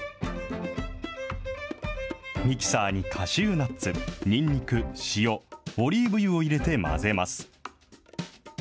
ミキサーにカシューナッツ、にんにく、塩、オリーブ油を入れて混ぜます。